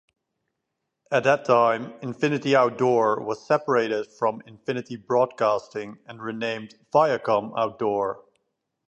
At that time, Infinity Outdoor was separated from Infinity Broadcasting and renamed Viacom Outdoor.